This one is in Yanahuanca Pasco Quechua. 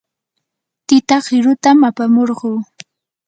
tita qirutam apamurquu.